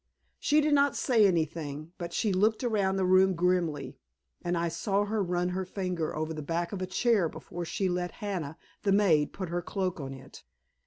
She did not say anything, but she looked around the room grimly, and I saw her run her finger over the back of a chair before she let Hannah, the maid, put her cloak on it.